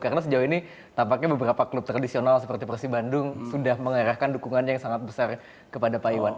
karena sejauh ini tampaknya beberapa klub tradisional seperti persibandung sudah mengarahkan dukungan yang sangat besar kepada pak iwan